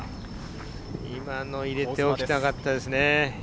今の入れておきたかったですね。